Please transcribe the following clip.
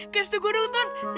kasih tuh gue dong tuan